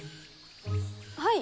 はい？